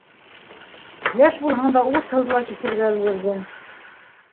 Йәш булһаң да, ут-һыуҙы ла кисергә өлгөрҙөң.